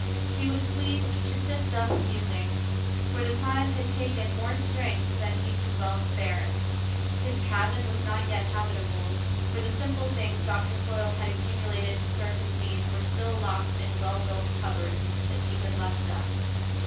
He was pleased to sit thus musing, for the climb had taken more strength than he could well spare. His cabin was not yet habitable, for the simple things Doctor Hoyle had accumulated to serve his needs were still locked in well built cupboards, as he had left them.